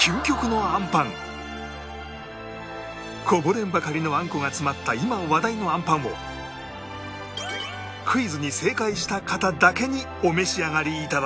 こぼれんばかりのあんこが詰まった今話題のあんぱんをクイズに正解した方だけにお召し上がり頂きます